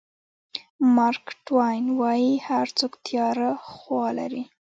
مارک ټواین وایي هر څوک تیاره خوا لري.